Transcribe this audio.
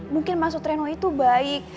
mungkin maksud reno itu baik